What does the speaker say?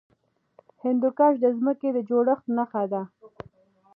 هندوکش د ځمکې د جوړښت نښه ده.